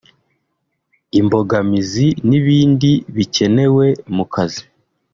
imbogamizi n’ibindi bikenewe mu kazi